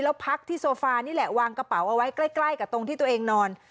แล้วพักที่โซฟานี่แหละวางกระเป๋าเอาไว้ใกล้กับตรงที่ตัวเองนอน